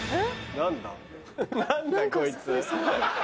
何だこいつ。